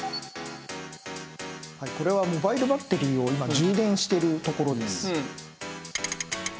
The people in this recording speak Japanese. これはモバイルバッテリーを今充電しているところです。